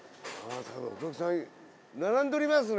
お客さん並んでおりますね！